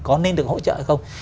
có nên được hỗ trợ hay không